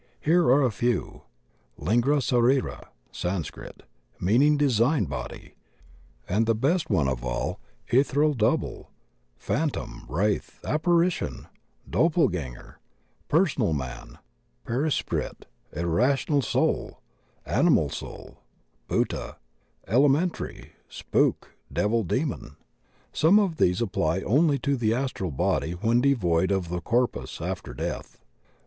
Here are a few: Linga Sarira, Sanscrit, meaning design body, and the best one of all; ethereal double; phan tom; wraith; apparition; doppelganger; personal man; perisprit; irrational soul; animal soul; Bhuta; elemen tary; spook; devil; demon. Some of these apply only to the astral body when devoid of the corpus after death.